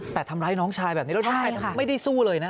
แต่ทำร้ายน้องชายแบบนี้แล้วน้องชายไม่ได้สู้เลยนะ